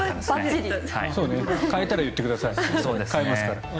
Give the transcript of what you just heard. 変えたら言ってください変えますから。